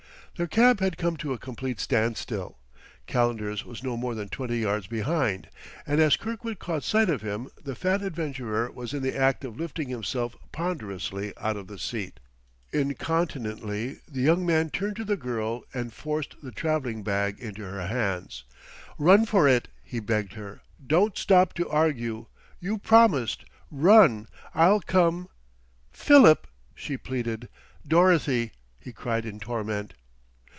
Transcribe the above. Their cab had come to a complete standstill; Calendar's was no more than twenty yards behind, and as Kirkwood caught sight of him the fat adventurer was in the act of lifting himself ponderously out of the seat. Incontinently the young man turned to the girl and forced the traveling bag into her hands. "Run for it!" he begged her. "Don't stop to argue. You promised run! I'll come...." "Philip!" she pleaded. "Dorothy!" he cried in torment.